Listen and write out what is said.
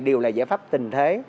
đều là giải pháp tình thế